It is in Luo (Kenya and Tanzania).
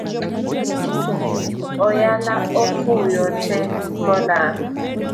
Oyala ofuyo te molal